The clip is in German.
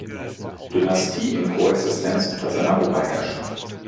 Dynastie in Koexistenz unter seiner Oberherrschaft.